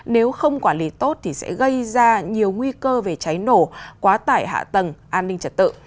nếu không quản lý tốt thì sẽ gây ra nhiều nguy cơ về cháy nổ quá tải hạ tầng an ninh trật tự